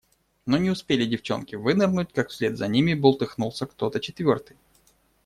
Но не успели девчонки вынырнуть, как вслед за ними бултыхнулся кто-то четвертый.